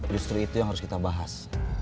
justru itu yang harus kita bahas